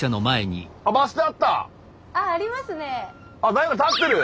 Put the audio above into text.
誰か立ってる。